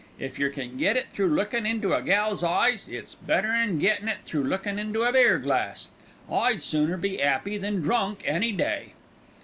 If yer can get it through lookin' into a gal's eyes, it's better'n gettin' it through lookin' into a beer glass. I'd sooner be 'appy than drunk any day."